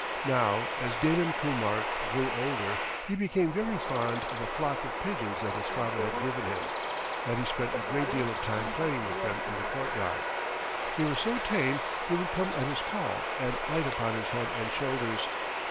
Now as Dalim Kumar grew older he became very fond of a flock of pigeons that his father had given him, and he spent a great deal of time playing with them in the courtyard. They were so tame they would come at his call and light upon his head and shoulders.